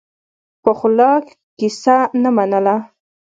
پخلا کیسه نه منله.